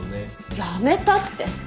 やめたって。